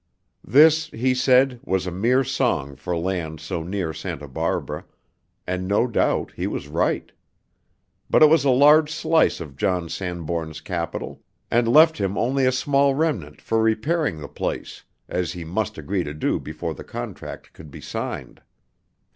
This, he said, was a mere song for land so near Santa Barbara; and, no doubt, he was right. But it was a large slice of John Sanbourne's capital, and left him only a small remnant for repairing the place, as he must agree to do before the contract could be signed.